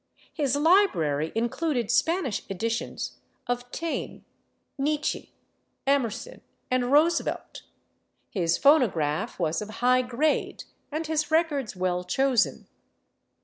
His library included Spanish editions of Taine, Nietzsche, Emer son— and Roosevelt; his phonograph was of high grade and his records well chosen.